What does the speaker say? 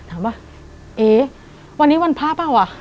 ถามว่าเอ๊วันนี้วันพระเปล่าว่ะ